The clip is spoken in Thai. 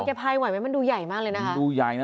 จะพายไหวมั้ยมันดูใหญ่มากเลยนะคะมันดูใหญ่นะ